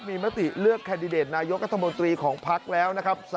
มีมติเลือกแคนดิเดตนายกรัฐมนตรีของพักแล้วนะครับ